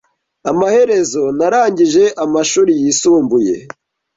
Amaherezo, narangije amashuri yisumbuye.